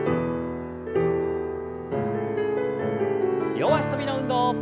両脚跳びの運動。